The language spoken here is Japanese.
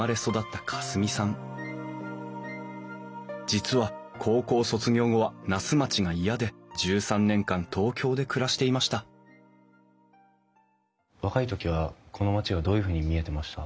実は高校卒業後は那須町が嫌で１３年間東京で暮らしていました若い時はこの町がどういうふうに見えてました？